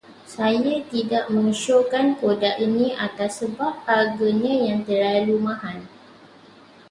Saya tidak mengesyorkan produk ini atas sebab harganya yang terlalu mahal.